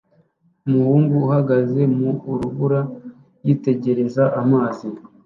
Umuhungu uhagaze mu rubura yitegereza amazi